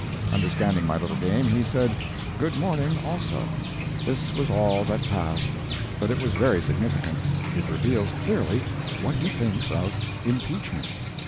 Understanding my little game, he said good morning, also. This was all that passed, but it was very significant. It reveals clearly what he thinks of impeachment.